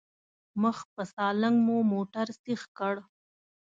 مخ په سالنګ مو موټر سيخ کړ.